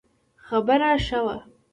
خبر ښه وو